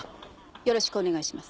よろしくお願いします。